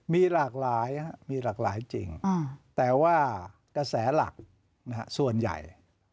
มีหลากหลายมีหลากหลายจริงแต่ว่ากระแสหลักส่วนใหญ่